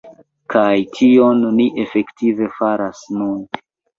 Kaj tion ni efektive faras nun.